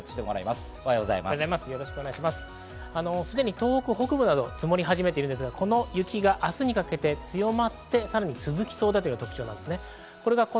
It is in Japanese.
すでに東北北部など積もり始めているんですが、この雪が明日にかけて強まってさらに続きそうなのが特徴です。